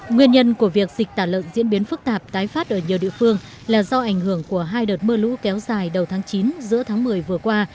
nguyên nhân của việc dịch tả lợn diễn biến phức tạp tái phát ở nhiều địa phương là do ảnh hưởng của hai đợt mưa lũ kéo dài đầu tháng chín giữa tháng một mươi vừa qua